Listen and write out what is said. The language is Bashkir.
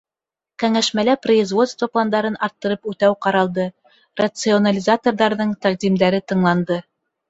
Кәңәшмәлә производство пландарын арттырып үтәү ҡаралды, рационализаторҙарҙың тәҡдимдәре тыңланды.